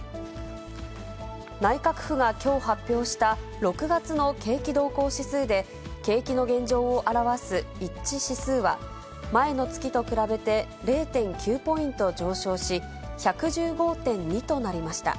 内閣府がきょう発表した、６月の景気動向指数で、景気の現状を表す一致指数は前の月と比べて０．９ポイント上昇し、１１５．２となりました。